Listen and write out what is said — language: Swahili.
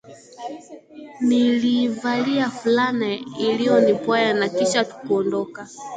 Niliivalia fulana iliyonipwaya na kisha kuondoka